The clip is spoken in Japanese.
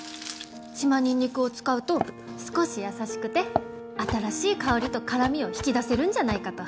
島ニンニクを使うと少し優しくて新しい香りと辛みを引き出せるんじゃないかと。